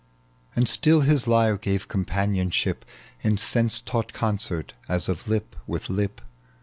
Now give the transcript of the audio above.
And still his lyre gave companionship In sense taught concert as of lip with lip.